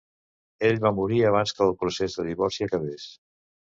Ell va morir abans que el procés de divorci acabés.